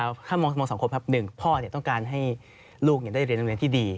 ถ้ามองสังคมครับหนึ่งพ่อต้องการให้ลูกได้เรียนโรงเรียนที่ดี